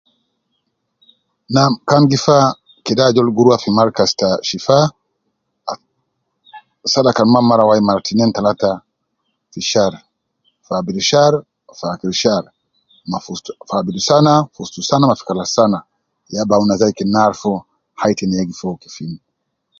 Nam ,kan gi fa kede ajol rua fi markaz ta shifa, sala kan ma mara wai mara tinin talata fi shar, fi abidu shar fi akir shar, ma fi ustu, fi abidu sana fi ustu sana ,ma fi kalas sana sana ,ya bi awun ina zaidi kena arufu hai tena yegif kefin